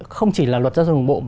không chỉ là luật giao thông đường bộ